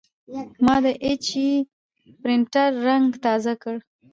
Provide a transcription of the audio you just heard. ما د ایچ پي پرنټر رنګ تازه کړ.